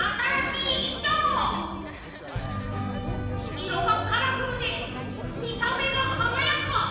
いろがカラフルでみためがはなやか！